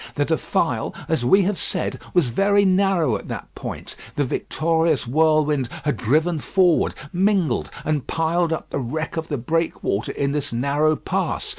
The defile, as we have said, was very narrow at that point; the victorious whirlwind had driven forward, mingled and piled up the wreck of the breakwater in this narrow pass.